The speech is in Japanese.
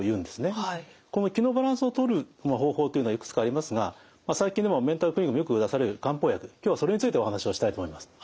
この「気」のバランスをとる方法というのはいくつかありますが最近ではメンタルクリニックでもよく出される漢方薬今日はそれについてお話をしたいと思います。